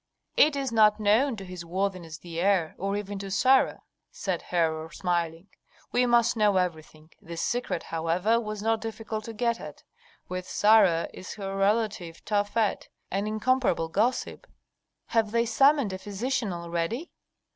"It is not known to his worthiness the heir, or even to Sarah," said Herhor, smiling. "We must know everything. This secret, however, was not difficult to get at. With Sarah is her relative Tafet, an incomparable gossip." "Have they summoned a physician already?"